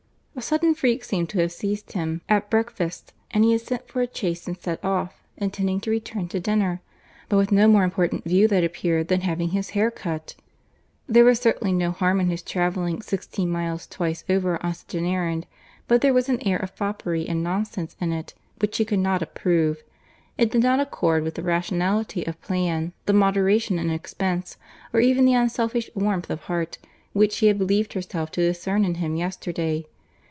A sudden freak seemed to have seized him at breakfast, and he had sent for a chaise and set off, intending to return to dinner, but with no more important view that appeared than having his hair cut. There was certainly no harm in his travelling sixteen miles twice over on such an errand; but there was an air of foppery and nonsense in it which she could not approve. It did not accord with the rationality of plan, the moderation in expense, or even the unselfish warmth of heart, which she had believed herself to discern in him yesterday.